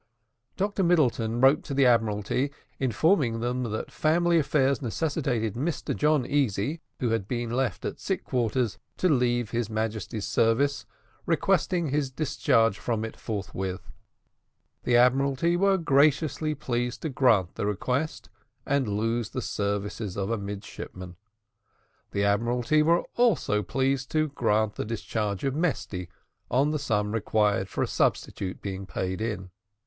Dr Middleton wrote to the Admiralty, informing them that family affairs necessitated Mr John Easy, who had been left at sick quarters, to leave his Majesty's service, requesting his discharge from it forthwith. The Admiralty was graciously pleased to grant the request, and lose the services of a midshipman. The Admiralty were also pleased to grant the discharge of Mesty, on the sum required for a substitute being paid in.